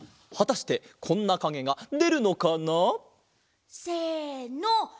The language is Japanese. はたしてこんなかげがでるのかな？せの！